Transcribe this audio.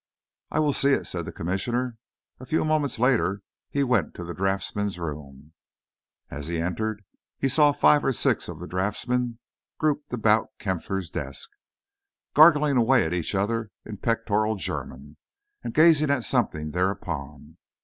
"I will see it," said the Commissioner. A few moments later he went to the draughtsmen's room. As he entered he saw five or six of the draughtsmen grouped about Kampfer's desk, gargling away at each other in pectoral German, and gazing at something thereupon.